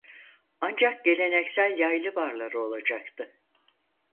Ancak geleneksel yaylı barları olacaktı.